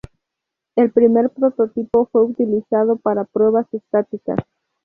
El primer prototipo fue utilizado para pruebas estáticas.